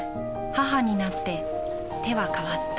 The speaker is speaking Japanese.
母になって手は変わった。